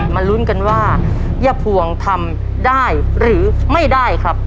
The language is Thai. ลุ้นกันว่ายะพวงทำได้หรือไม่ได้ครับ